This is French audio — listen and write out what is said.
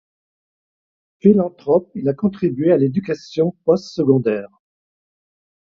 Philanthrope, il a contribué à l'éducation post-secondaire.